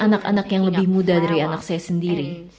dan anak anak yang lebih muda dari anak saya sendiri